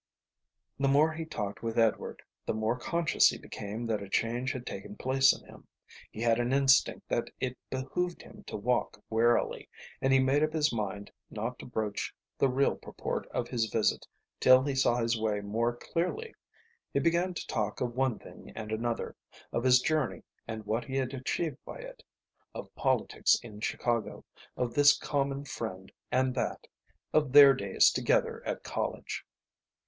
The more he talked with Edward the more conscious he became that a change had taken place in him. He had an instinct that it behooved him to walk warily, and he made up his mind not to broach the real purport of his visit till he saw his way more clearly. He began to talk of one thing and another, of his journey and what he had achieved by it, of politics in Chicago, of this common friend and that, of their days together at college.